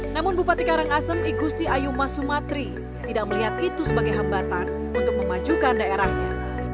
namun bupati karangasem igusti ayuma sumatri tidak melihat itu sebagai hambatan untuk memajukan daerahnya